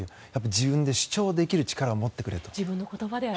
自分で主張できる力を持ってくれと。